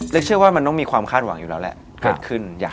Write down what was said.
เชื่อว่ามันต้องมีความคาดหวังอยู่แล้วแหละเกิดขึ้น